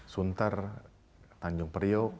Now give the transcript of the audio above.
sunter tanjung priok